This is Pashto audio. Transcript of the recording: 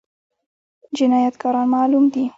جنايتکاران معلوم دي؟